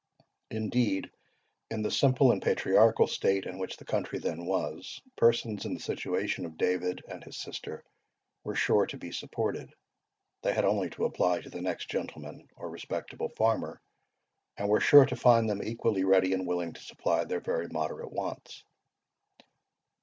Indeed, in the simple and patriarchal state in which the country then was, persons in the situation of David and his sister were sure to be supported. They had only to apply to the next gentleman or respectable farmer, and were sure to find them equally ready and willing to supply their very moderate wants.